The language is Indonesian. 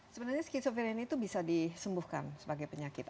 sebenarnya schizophrenia ini tuh bisa disembuhkan sebagai penyakit